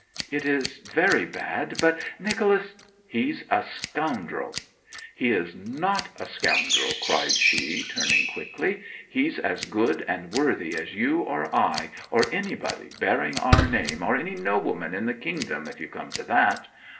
'It is very bad; but Nicholas ' 'He's a scoundrel!' 'He is not a scoundrel!' cried she, turning quickly. 'He's as good and worthy as you or I, or anybody bearing our name, or any nobleman in the kingdom, if you come to that!